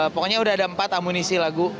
pokoknya udah ada empat amunisi lagu